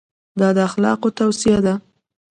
دا د اخلاقو توصیه ده.